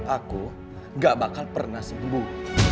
aku gak bakal pernah sembuh